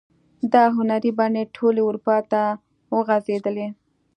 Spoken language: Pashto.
دا هنري بڼې ټولې اروپا ته وغزیدلې.